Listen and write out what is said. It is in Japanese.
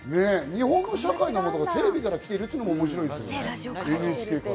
日本の社会の窓がテレビ、ラジオからきているってのも面白いですね。